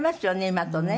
今とね。